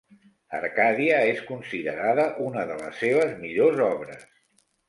Arcàdia és considerada una de les seves millors obres.